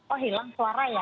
oh hilang suara ya